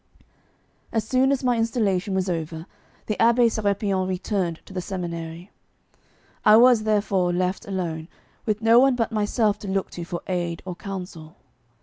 As soon as my installation was over, the Abbé Sérapion returned to the seminary. I was, therefore, left alone, with no one but myself to look to for aid or counsel.